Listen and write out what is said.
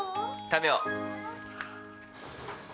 食べよう！